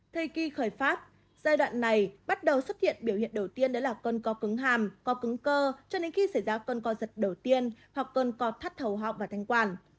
thời kỳ khởi pháp giai đoạn này bắt đầu xuất hiện biểu hiện đầu tiên đó là cơn co cứng hàm co cứng cơ cho đến khi xảy ra cơn co giật đầu tiên hoặc cơn co thắt thầu họng và thanh quản